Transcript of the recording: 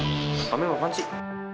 pantomime apaan sih